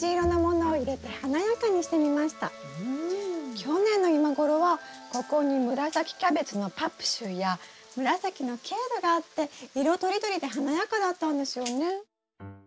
去年の今頃はここに紫キャベツのパプシューや紫のケールがあって色とりどりで華やかだったんですよね。